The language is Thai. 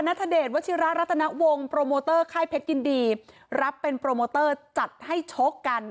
ทเดชวัชิระรัตนวงโปรโมเตอร์ค่ายเพชรยินดีรับเป็นโปรโมเตอร์จัดให้ชกกัน